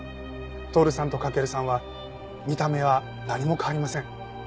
透さんと駆さんは見た目は何も変わりません。